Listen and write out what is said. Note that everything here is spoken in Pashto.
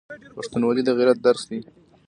پښتونولي د غیرت درس دی.